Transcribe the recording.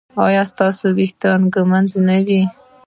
ایا ستاسو ویښتان به ږمنځ نه وي؟